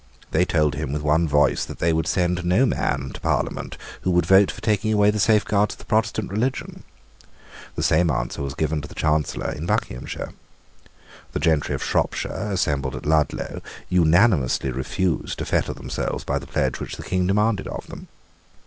They told him with one voice that they would send up no man to Parliament who would vote for taking away the safeguards of the Protestant religion. The same answer was given to the Chancellor in Buckinghamshire. The gentry of Shropshire, assembled at Ludlow, unanimously refused to fetter themselves by the pledge which the King demanded of them.